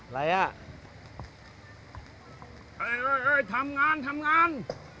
อะไรอะเอ่ยเอ้ยเอ่ยทำงานทำงาน